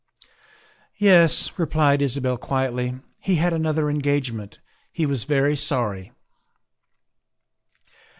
" Yes," replied Isabel quietly, " he had another en gagement. He was very sorry."